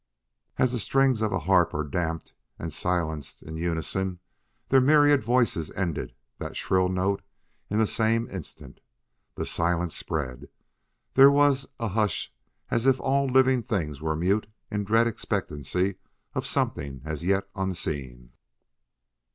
As the strings of a harp are damped and silenced in unison, their myriad voices ended that shrill note in the same instant. The silence spread; there was a hush as if all living things were mute in dread expectancy of something as yet unseen.